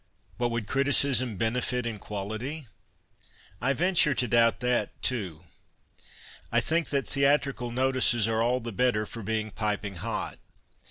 But would criticism benefit in quality ? I venture to doubt that, too. I think that theatrical " notices " arc all the better for being piping hot.